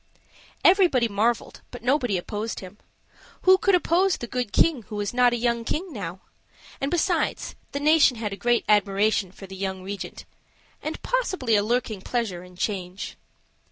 Everybody marveled, but nobody opposed him. Who could oppose the good King, who was not a young king now? And besides, the nation had a great admiration for the young regent and possibly a lurking pleasure in change.